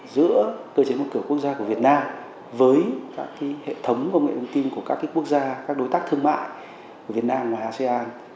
giữa cơ chế một cửa quốc gia của việt nam với các hệ thống công nghệ thông tin của các quốc gia các đối tác thương mại của việt nam và asean